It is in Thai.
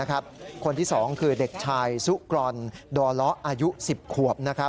คนที่๒คือเด็กชายสุกรรดรอายุ๑๐ขวบ